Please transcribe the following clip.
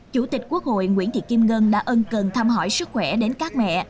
chủ tịch quốc hội nguyễn thị kim ngân đã ân cần thăm hỏi sức khỏe đến các mẹ